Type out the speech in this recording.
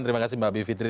terima kasih mbak bivitri